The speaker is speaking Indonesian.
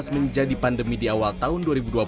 menjadi pandemi di awal tahun dua ribu dua puluh